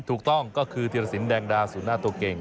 ถูกต้องก็คือเทียรศิลป์แดงดาสุนหน้าตัวเก่ง